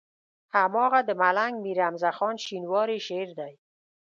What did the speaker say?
هماغه د ملنګ مير حمزه خان شينواري شعر دی.